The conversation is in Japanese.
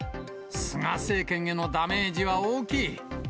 菅政権へのダメージは大きい。